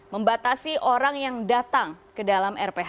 membatasi orang yang datang ke dalam rph